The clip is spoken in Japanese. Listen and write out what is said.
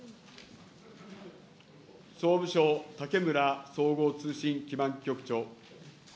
総務省武村総合通信基盤局長。